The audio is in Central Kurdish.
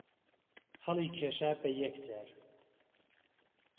ههڵی کێشا به یهک جار